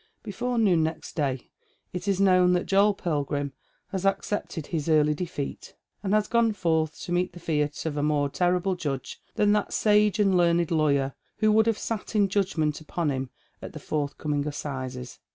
Before noon next day it is known that Joel Pilgrim has accepted his earthly defeat, and has gone forth to meet the fiat of a more terrible Judge than that sage and learned lawyer who vould have sat in judgment upon him at the forthcoming Assizes.